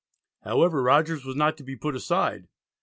However, Rogers was not to be put aside.